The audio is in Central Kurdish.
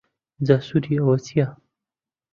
جا سوودی ئەوە چیە؟